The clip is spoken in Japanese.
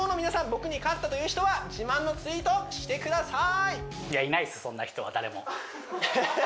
僕に勝ったという人は自慢のツイートしてください！